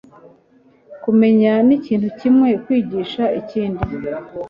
Kumenya nikintu kimwe kwigisha ikindi